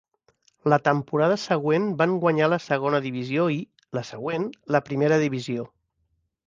La temporada següent van guanyar la Segona Divisió i, la següent, la Primera Divisió.